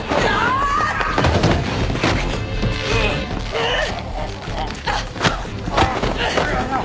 うっ。